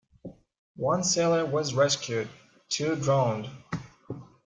One sailor was rescued; two drowned.